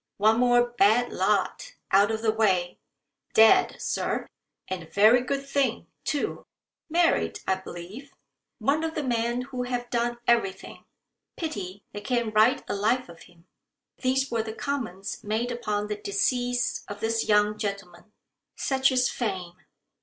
One more bad lot out of the way. Dead, Sir, and a very good thing, too. Married, I believe. One of the men who have done everything. Pity they can't write a life of him." These were the comments made upon the decease of this young gentleman. Such is fame.